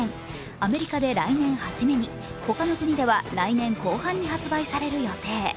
アメリカで来年初めにほかの国では来年後半に発売される予定。